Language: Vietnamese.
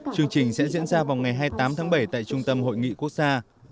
chương trình sẽ diễn ra vào ngày hai mươi tám tháng bảy tại trung tâm hội nghị quốc gia